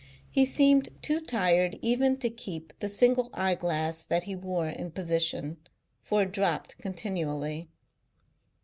He seemed too tired even to keep the single eye glass that he wore in position, for it dropped continually.